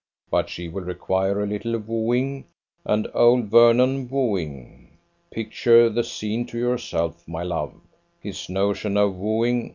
But she will require a little wooing: and old Vernon wooing! Picture the scene to yourself, my love. His notion of wooing.